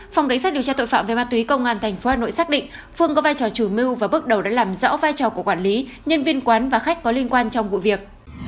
phòng cảnh sát điều tra tội phạm về ma túy công an tp hà nội xác định phương có vai trò chủ mưu và bước đầu đã làm rõ vai trò của quản lý nhân viên quán và khách có liên quan trong vụ việc